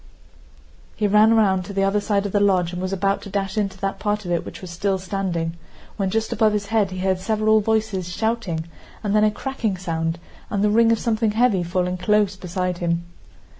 He ran round to the other side of the lodge and was about to dash into that part of it which was still standing, when just above his head he heard several voices shouting and then a cracking sound and the ring of something heavy falling close beside him.